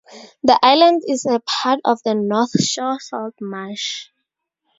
The island is a part of the North Shore Salt Marsh.